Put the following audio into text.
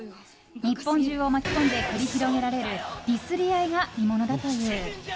日本中を巻き込んで繰り広げられるディスり合いが見ものだという。